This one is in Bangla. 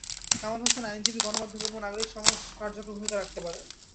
কামাল হোসেন আইনজীবী, গণমাধ্যম এবং নাগরিক সমাজ কার্যকর ভূমিকা রাখতে পারেন।